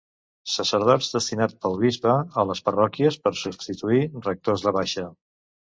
Sacerdots destinats pel bisbe a les parròquies per substituir rectors de baixa.